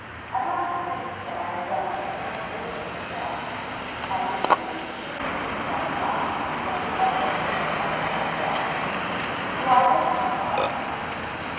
I love to think that I have done a tiny bit of it myself. I think it is the sweetest thing about God that He lets us do some of it ourselves. Do I hurt you, darling?"